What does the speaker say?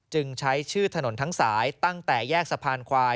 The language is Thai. ใช้ชื่อถนนทั้งสายตั้งแต่แยกสะพานควาย